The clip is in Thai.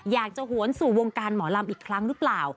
หวนสู่วงการหมอลำอีกครั้งหรือเปล่า